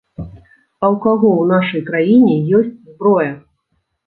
А ў каго ў нашай краіне ёсць зброя?